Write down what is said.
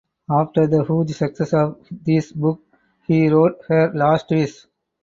After the huge success of this book he wrote "Her Last Wish"